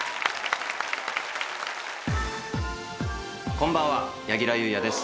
こんばんは柳楽優弥です。